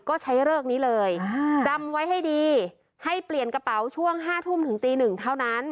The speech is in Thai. ก็ใช้เลิกนี้เลยจำไว้ให้ดีให้เปลี่ยนกระเป๋าช่วง๕ทุ่มถึงตีหนึ่งเท่านั้น